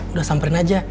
udah samperin aja